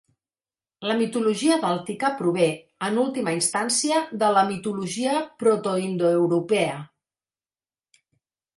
La mitologia Bàltica prové, en última instància, de la mitologia protoindoeuropea.